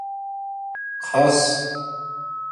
خص